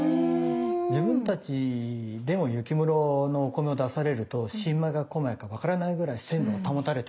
自分たちでも雪室のお米を出されると新米か古米かわからないぐらい鮮度が保たれているんですよ。